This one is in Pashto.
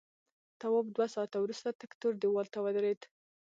تواب دوه ساعته وروسته تک تور دیوال ته ودرېد.